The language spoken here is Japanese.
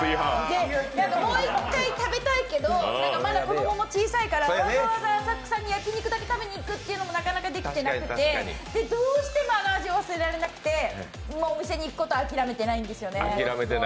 もう一回食べたいけどまだ子供も小さいからわざわざ浅草に焼き肉だけ食べに行くというのができなくてどうしてもあの味を忘れられなくてお店に行くことをあきらめられないんですね。